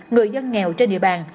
người dân nghèo trên địa bàn